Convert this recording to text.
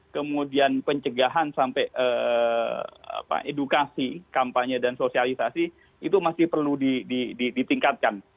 kemudian pencegahan sampai edukasi kampanye dan sosialisasi itu masih perlu ditingkatkan